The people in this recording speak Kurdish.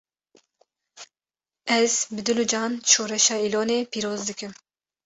Ez bi dil û can şoreşa Îlonê pîroz dikim